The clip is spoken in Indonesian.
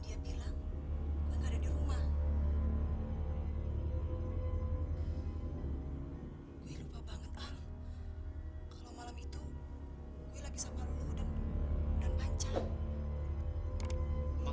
terus kita harus bagaimana dong tante